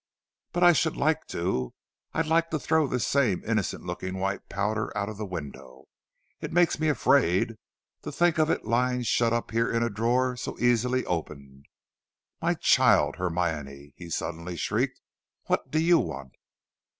But I should like to; I'd like to throw this same innocent looking white powder out of the window; it makes me afraid to think of it lying shut up here in a drawer so easily opened My child! Hermione!" he suddenly shrieked, "what do you want?"